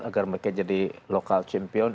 agar mereka jadi local champion